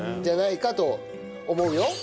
じゃないかと思うよ。